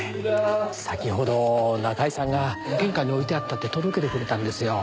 先ほど仲居さんが玄関に置いてあったって届けてくれたんですよ。